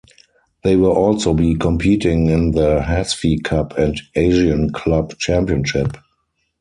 They were also be competing in the Hazfi Cup and Asian Club Championship.